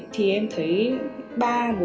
thì em thấy